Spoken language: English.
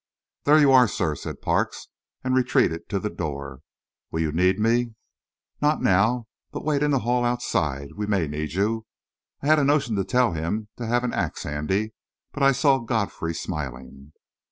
"There you are, sir," said Parks, and retreated to the door. "Will you need me?" "Not now. But wait in the hall outside. We may need you." I had a notion to tell him to have an axe handy, but I saw Godfrey smiling.